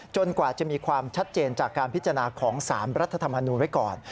กว่าจะมีความชัดเจนจากการพิจารณาของ๓รัฐธรรมนูลไว้ก่อน